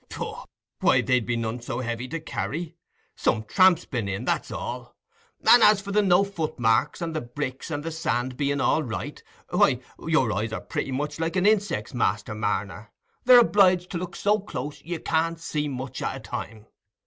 "Pooh! why, they'd be none so heavy to carry. Some tramp's been in, that's all; and as for the no footmarks, and the bricks and the sand being all right—why, your eyes are pretty much like a insect's, Master Marner; they're obliged to look so close, you can't see much at a time.